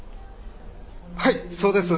はいそうです。